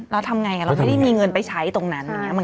เราทำไงเราไม่ได้มีเงินไปใช้ตรงนั้นอย่างนี้